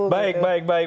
baik baik baik